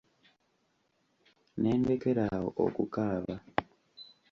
Ne ndekera awo okukaaba.